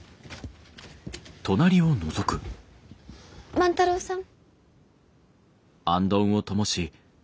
万太郎さん？